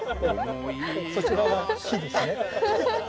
そちらが碑ですね。